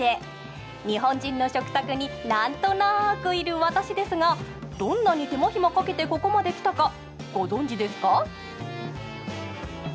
日本人の食卓に何となくいる私ですがどんなに手間暇かけてここまで来たかご存じですか？